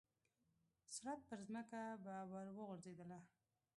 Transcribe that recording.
سړپ پرځمکه به ور وغورځېدله.